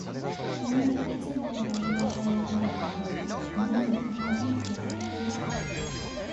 いぬーいつになれば俺は這い上がれるだろういぬー俺はうまく笑えているか